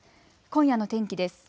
今夜の天気です。